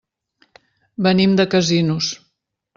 Venim de Casinos.